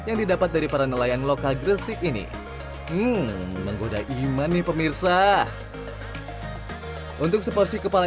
yang didapat dari para nelayan lokal gresik ini hmm menggoda iman nih pemirsa untuk seporsi kepala